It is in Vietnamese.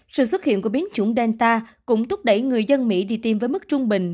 sự xuất hiện của biến chủng delta cũng thúc đẩy người dân mỹ đi tiêm với mức trung bình